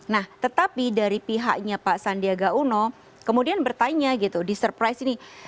nah tetapi dari pihaknya pak sandiaga uno kemudian bertanya gitu di surprise ini